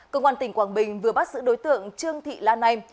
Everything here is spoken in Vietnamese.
công an tỉnh quảng bình vừa bắt giữ đối tượng trương thị lan anh